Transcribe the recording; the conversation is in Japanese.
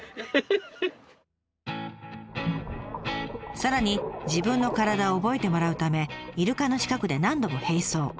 さらに自分の体を覚えてもらうためイルカの近くで何度も並走。